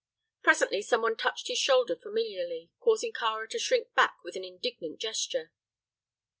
Presently someone touched his shoulder familiarly, causing Kāra to shrink back with an indignant gesture.